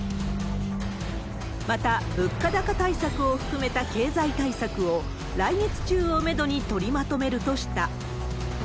また、物価高対策を含めた経済対策を、来月中をメドに取りまとめるとした。